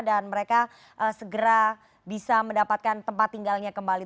mereka segera bisa mendapatkan tempat tinggalnya kembali